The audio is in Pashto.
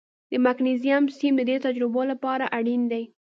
د مګنیزیم سیم د دې تجربې لپاره اړین دی.